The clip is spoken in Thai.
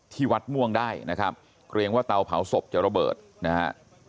ที่วัดม่วงได้นะครับเกรงว่าเตาเผาศพจะระเบิดนะฮะ